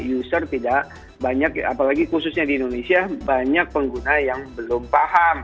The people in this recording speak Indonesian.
user tidak banyak apalagi khususnya di indonesia banyak pengguna yang belum paham